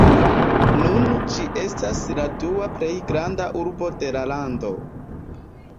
Nun ĝi estas la dua plej granda urbo de la lando.